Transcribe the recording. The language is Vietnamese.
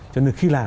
cho nên khi làm